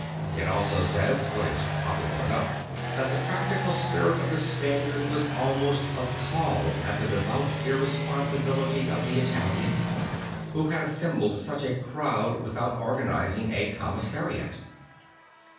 I t also says, what is probable enough, that the practical spirit of the Spaniard was almost appalled at the devout irresponsibility of the Italian, who had assembled such a crowd \vithout organising a commissariat.